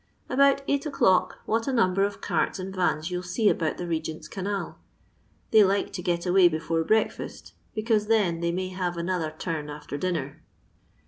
About eiffht o'clock wbtt a number of carts and vans you 11 see about the Begent's CSanal I They like to get away before bresJcfiwt, beoanto tbea they may have another turn after dinner.